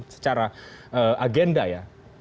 secara agenda ya